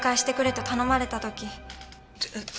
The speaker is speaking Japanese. えっ！？